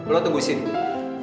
lo tunggu sini